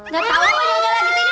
gak tau kan yang lagi tidur